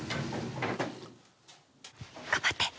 頑張って。